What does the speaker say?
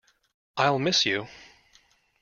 I’ll miss you.